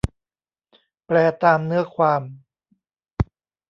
แปลตามเนื้อความ